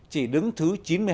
chỉ đứng thứ chín mươi hai